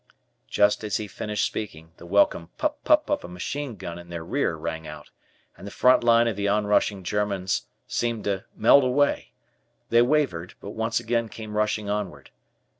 Just as he finished speaking, the welcome "pup pup" of a machine gun in their rear rang out, and the front line of the onrushing German seemed to melt away. They wavered, but once again came rushing onward.